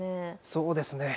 そうですね。